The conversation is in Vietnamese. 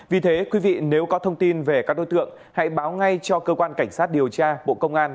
vì thế quý vị nếu có thông tin về các đối tượng hãy báo ngay cho cơ quan cảnh sát điều tra bộ công an